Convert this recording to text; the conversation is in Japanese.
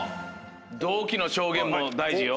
同期の証言も大事よ。